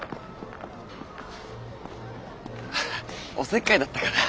ハハおせっかいだったかな。